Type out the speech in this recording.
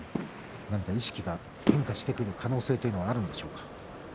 意識が変化してくる可能性はあるんでしょうか。